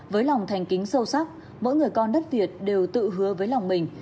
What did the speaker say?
với lòng thành kính sâu sắc mỗi người con đất việt đều tự hứa với lòng mình